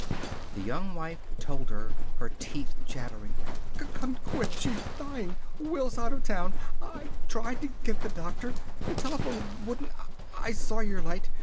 The Young Wife told her, her teeth chattering: "Come quick! She's dying! Will's out of town. I tried to get the doctor. The telephone wouldn't I saw your light!